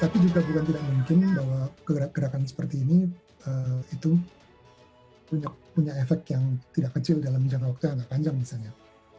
tapi juga bukan tidak mungkin bahwa gerakan seperti ini itu punya efek yang tidak kecil dalam jangka waktu yang agak panjang misalnya